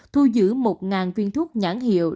thu giữ một viên thuốc nhãn hiệu